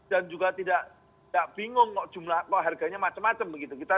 dan juga tidak bingung jumlah harganya macam macam